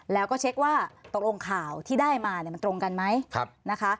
แล้วก็เช็คว่าตกลงข่าวที่ได้มามันตรงกันไหมนะคะ